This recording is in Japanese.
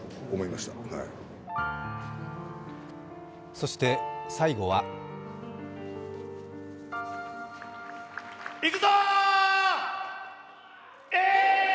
そして最後は行くぞ、１！